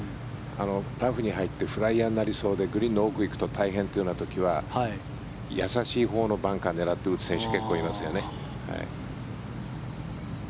ラフに入ってフライヤーになりそうでグリーンの奥に行くと大変という時は易しいほうのバンカーを狙って打つ選手結構いますよね。